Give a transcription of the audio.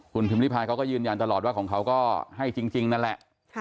คุณพิมพิพายเขาก็ยืนยันตลอดว่าของเขาก็ให้จริงนั่นแหละ